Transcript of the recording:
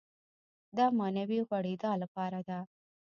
دا معنوي غوړېدا لپاره ده.